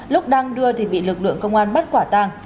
lúc đang đưa thì bị lực lượng công an bắt quả tàng